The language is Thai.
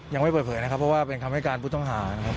ยังไม่เปิดเผยนะครับก็เป็นคำให้พูดต้องหานะครับ